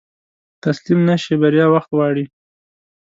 تسليم نشې، بريا وخت غواړي.